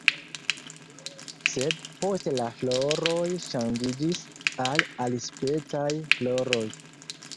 Sed poste la floroj ŝanĝiĝis al alispecaj floroj.